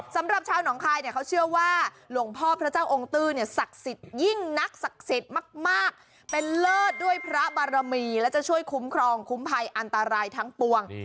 สำหรับชาวหนองคายเนี่ยเขาเชื่อว่าหลวงพ่อพระเจ้าองค์ตื้อเนี่ยศักดิ์สิทธิ์ยิ่งนักศักดิ์สิทธิ์มากเป็นเลิศด้วยพระบารมีและจะช่วยคุ้มครองคุ้มภัยอันตรายทั้งปวง